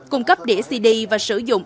cung cấp đĩa cd và sử dụng